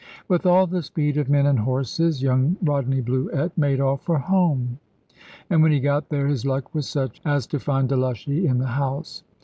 With all the speed of men and horses, young Rodney Bluett made off for home, and when he got there his luck was such as to find Delushy in the house.